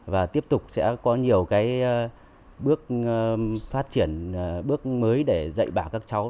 và tiếp tục sẽ có nhiều bước phát triển bước mới để dạy bảo các cháu